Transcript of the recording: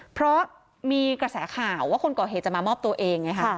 เพราะมีกระแสข่าวว่าคนก่อเหตุจะมามอบตัวเองไงค่ะ